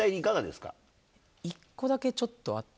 １個だけちょっとあって。